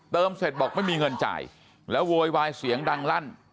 เสร็จบอกไม่มีเงินจ่ายแล้วโวยวายเสียงดังลั่น